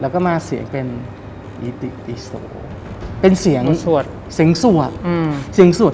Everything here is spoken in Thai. แล้วก็มาเสียงเป็นอีติอีโสเป็นเสียงสวดเสียงสวดอืม